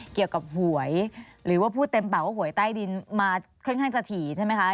หวยหรือว่าพูดเต็มปากว่าหวยใต้ดินมาค่อนข้างจะถี่ใช่ไหมคะ